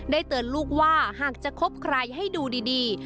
เตือนลูกว่าหากจะคบใครให้ดูดี